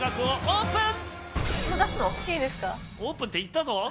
「オープン」って言ったぞ。